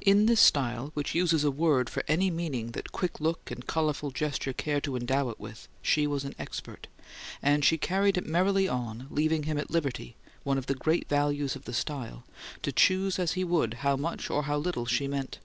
In this style, which uses a word for any meaning that quick look and colourful gesture care to endow it with, she was an expert; and she carried it merrily on, leaving him at liberty (one of the great values of the style) to choose as he would how much or how little she meant.